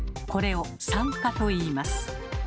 これを「酸化」といいます。